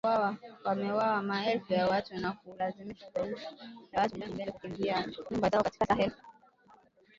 Wameua maelfu ya watu na kuwalazimisha zaidi ya watu milioni mbili kukimbia nyumba zao katika Sahel